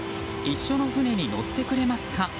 一緒の船に乗ってくれますか？